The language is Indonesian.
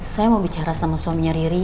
saya mau bicara sama suaminya riri